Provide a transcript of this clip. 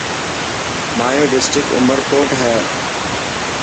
هايو ڊسٽرڪٽ عمر ڪوٽ هي.